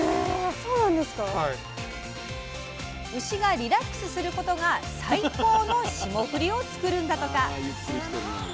牛がリラックスすることが最高の霜降りを作るんだとか。